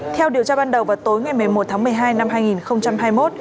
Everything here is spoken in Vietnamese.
theo điều tra ban đầu vào tối ngày một mươi một tháng một mươi hai năm hai nghìn hai mươi một